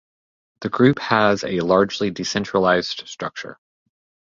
The group has a largely decentralised structure.